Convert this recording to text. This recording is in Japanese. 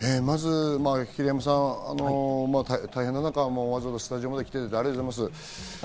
平山さん、大変な中、わざわざスタジオまで来ていただいてありがとうございます。